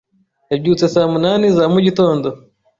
Yabyutse saa munani za mu gitondo.